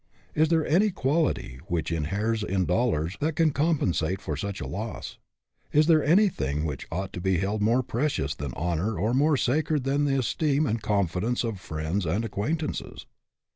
Is there any quality which inheres in dollars that can compensate for such a loss? Is there any thing which ought to be held more precious than honor or more sacred than the esteem and confidence of friends and acquaintances?